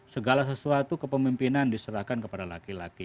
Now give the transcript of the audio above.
segala sesuatu kepemimpinan diserahkan kepada laki laki